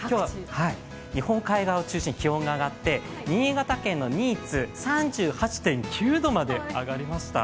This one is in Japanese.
日本海側を中心に気温が上がって新潟県の新津、３８．９度まで上がりました。